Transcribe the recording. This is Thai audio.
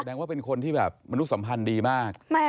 ว่าเป็นคนที่แบบมนุษย์สัมพันธ์ดีมาก